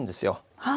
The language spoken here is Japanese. はい。